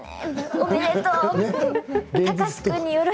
おめでとう！って。